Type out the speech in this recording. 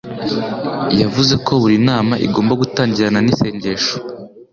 Yavuze ko buri nama igomba gutangirana nisengesho.